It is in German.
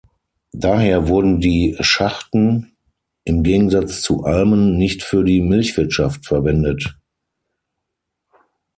Daher wurden die Schachten im Gegensatz zu Almen nicht für die Milchwirtschaft verwendet.